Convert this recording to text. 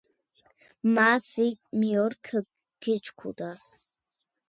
მა სი მიორქ გიჩქუდას